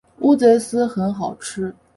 乌贼丝很好吃